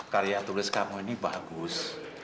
karya tulis kamu ini bagus